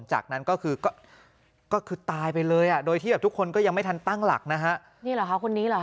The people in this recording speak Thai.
จากนั้นก็คือตายไปเลยโดยที่ทุกคนก็ยังไม่ทันตั้งหลักนะฮะ